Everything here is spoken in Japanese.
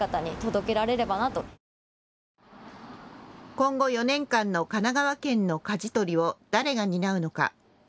今後４年間の神奈川県のかじ取りを誰が担うのか。